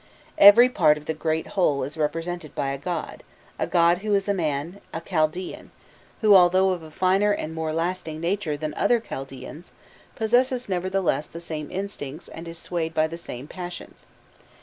Every part of the great whole is represented by a god, a god who is a man, a Chaldaean, who, although of a finer and more lasting nature than other Chaldaeans, possesses nevertheless the same instincts and is swayed by the same passions.